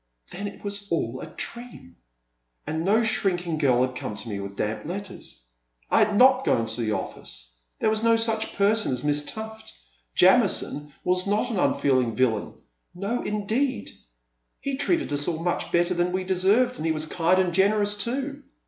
Then it was all a dream — and no shrinking girl had come to me with damp letters, — I had not gone to the office — there was no such person as Miss Tuffl, — Jamison was not an unfeeling vil lain, — no, indeed !— ^he treated us all much better than we deserved, and he was kind and generous too.